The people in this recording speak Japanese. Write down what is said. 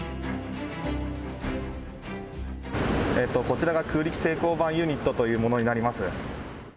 こちらが空力抵抗板ユニットというものになります。